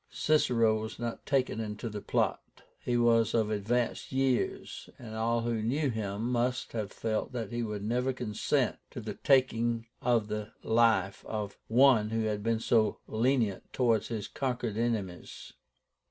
Cicero was not taken into the plot. He was of advanced years, and all who knew him must have felt that he would never consent to the taking the life of one who had been so lenient towards his conquered enemies.